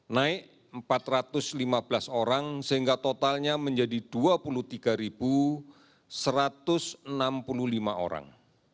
naik empat ratus lima belas orang sehingga totalnya menjadi dua puluh tiga satu ratus enam puluh lima orang